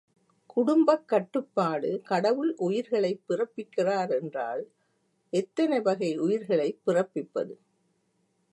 குடும்பக் கட்டுப்பாடு கடவுள் உயிர்களைப் பிறப்பிக்கிறார் என்றால், எத்தனை வகை உயிர்களைப் பிறப்பிப்பது?